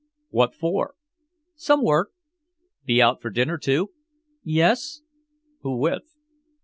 "What for?" "Some work." "Be out for dinner too?" "Yes." "Who with?"